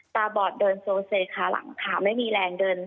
ตาบอดเดินโซเซคาหลังคาไม่มีแรงเดิน